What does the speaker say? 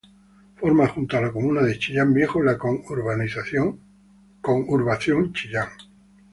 Forma junto con la comuna de Chillán Viejo la Conurbación Chillán.